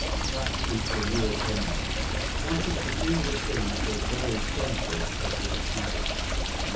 That is the real enemy. That is the evil thing at the very centre of this trouble.